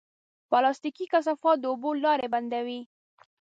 پلاستيکي کثافات د اوبو لارې بندوي.